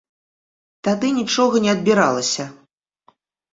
Тады нічога не адбіралася.